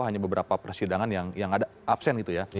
hanya beberapa persidangan yang ada absen gitu ya